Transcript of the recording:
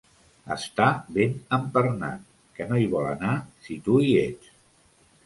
Està ben empernat que no hi vol anar si tu hi ets.